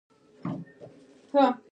شتمن هغه دی چې د زکات په ورکړه ویاړي.